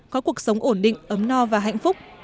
có cuộc sống ổn định ấm no và hạnh phúc